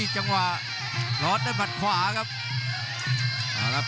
จังหวะร้อนด้วยหมัดขวาครับ